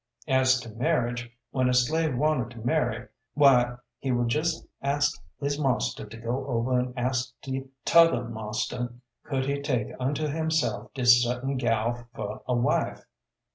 As to marriage, when a slave wanted to marry, why he would jes ask his marster to go over and ask de tother marster could he take unto himself dis certain gal fer a wife.